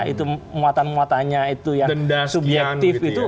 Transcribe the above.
itu muatan muatannya itu yang subjektif itu